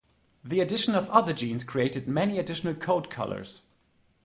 The addition of other genes creates many additional coat colors.